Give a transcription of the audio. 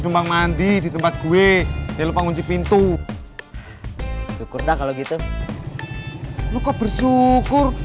numpang mandi di tempat gue ya lupa ngunci pintu syukur dah kalau gitu lu kok bersyukur